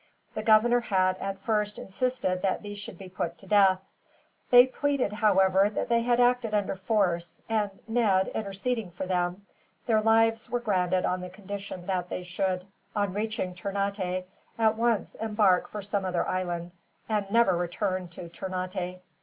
The governor had, at first, insisted that these should be put to death. They pleaded, however, that they had acted under force; and, Ned interceding for them, their lives were granted on the condition that they should, on reaching Ternate, at once embark for some other island, and never return to Ternate.